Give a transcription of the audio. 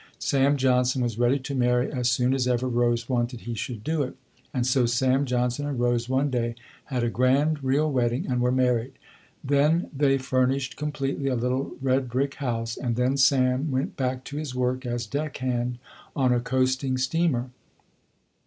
Sam Johnson was ready to marry as soon as ever Rose wanted he should do it. And so Sam Johnson and Rose one day had a grand real wedding and were married. Then they furnished completely, a little red brick house and then Sam went back to his work as deck hand on a coasting steamer.